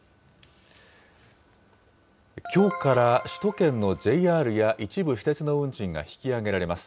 きょうから首都圏のＪＲや一部私鉄の運賃が引き上げられます。